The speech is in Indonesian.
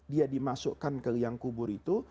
dia dimasukkan ke liang kubur itu